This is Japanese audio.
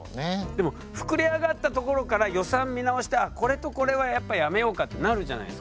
でも膨れ上がった所から予算見直して「あっこれとこれはやっぱやめようか」ってなるじゃないですか。